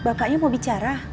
bapaknya mau bicara